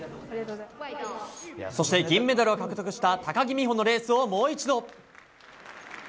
そして、銀メダルを獲得した高木美帆のレースをもう一度。